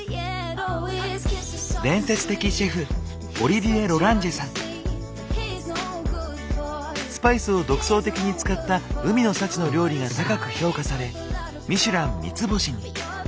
伝説的シェフスパイスを独創的に使った海の幸の料理が高く評価されミシュラン三つ星に。